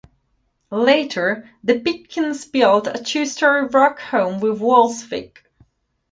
Later, the Pitkins built a two-story rock home with walls thick.